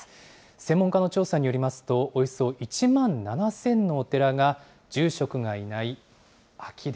専門家の調査によりますと、およそ１万７０００のお寺が住職がいない空き寺。